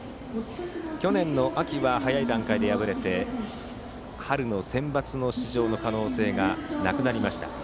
去年の秋は早い段階で敗れて春のセンバツの出場の可能性がなくなりました。